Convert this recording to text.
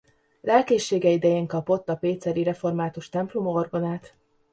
Lelkészsége idején kapott a péceli református templom orgonát.